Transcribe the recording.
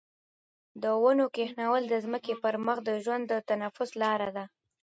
د ونو کښېنول د ځمکې پر مخ د ژوند د تنفس لاره ده.